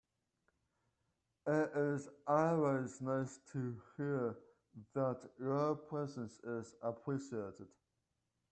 It is always nice to hear that your presence is appreciated.